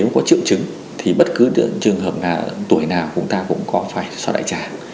nếu có triệu chứng thì bất cứ trường hợp tuổi nào chúng ta cũng có phải soi đại tràng